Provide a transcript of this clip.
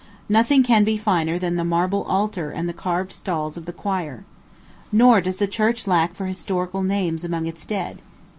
Nothing can be finer than the marble altar and the carved stalls of the choir. Nor does the church lack for historical names among its dead.